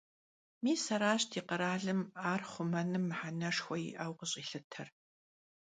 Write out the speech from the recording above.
Mis araş di kheralım ar xhumenım mıheneşşxue yi'eu khış'ilhıter.